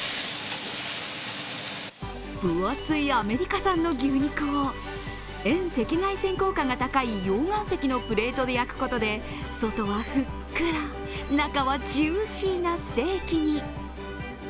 分厚いアメリカ産の牛肉を、遠赤外線効果の高い溶岩石のプレートで焼くことで外はふっくら中はジューシーなステーキに。